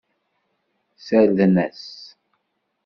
Ssarden-as.